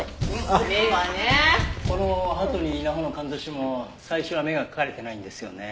この鳩に稲穂のかんざしも最初は目が描かれていないんですよね。